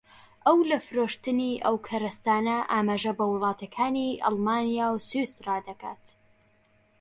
ئەو لە فرۆشتنی ئەو کەرستانە ئاماژە بە وڵاتەکانی ئەڵمانیا و سویسڕا دەکات